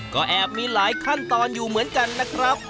ก็แอบมีหลายขั้นตอนอยู่เหมือนกันนะครับ